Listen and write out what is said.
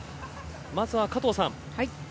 まずは加藤さん